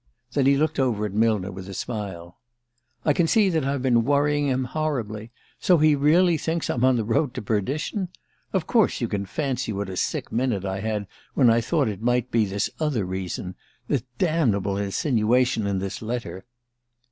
Then he looked over at Millner with a smile. "I can see that I've been worrying him horribly. So he really thinks I'm on the road to perdition? Of course you can fancy what a sick minute I had when I thought it might be this other reason the damnable insinuation in this letter."